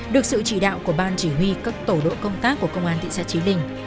được sự chỉ đạo của ban chỉ huy các tổ đội công tác của công an thị xã trí linh